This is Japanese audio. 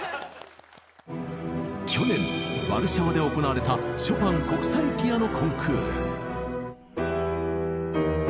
去年ワルシャワで行われたショパン国際ピアノ・コンクール。